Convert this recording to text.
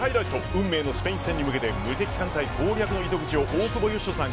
運命のスペイン戦に向けて無敵艦隊攻略の糸口を大久保嘉人さん